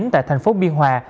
tại tp biên hòa